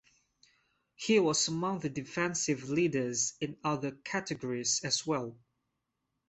He was among the defensive leaders in other categories as well.